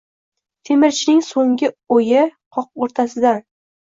Temirchining so’nggi o’yi qoq o’rtasidan